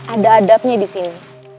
ada adabnya di sini